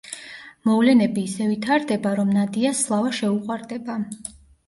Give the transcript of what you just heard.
მოვლენები ისე ვითარდება, რომ ნადიას სლავა შეუყვარდება.